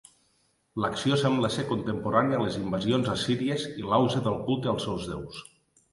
L'acció sembla ser contemporània a les invasions assíries i l'auge del culte als seus déus.